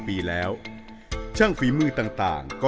มีหลานชายคนหนึ่งเขาไปสื่อจากคำชโนธ